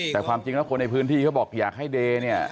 แต่ความจริงแล้วคนในพื้นที่เขาบอกอยากให้เดย์เนี่ย